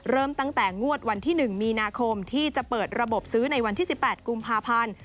เริ่มตั้งแต่งวดวันที่๑มีนาคมที่จะเปิดระบบซื้อในวันที่๑๘กุมภาพันธ์